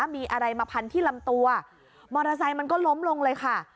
มีอะไรมาพันที่ลำตัวมอเตอร์ไซค์มันก็ล้มลงเลยค่ะ